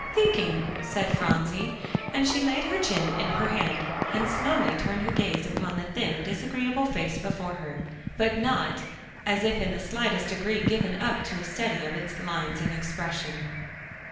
"Thinking," said Phronsie; and she laid her chin in her hand, and slowly turned her gaze upon the thin, disagreeable face before her, but not as if in the slightest degree given up to a study of its lines and expression.